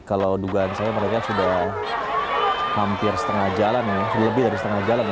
kalau dugaan saya mereka sudah hampir setengah jalan ya lebih dari setengah jalan ya